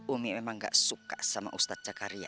umi memang gak suka sama ustadz cakaria